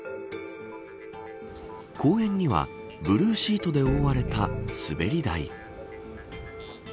公園にはブルーシートで覆われた滑り台。